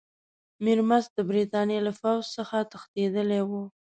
میرمست د برټانیې له پوځ څخه تښتېدلی وو.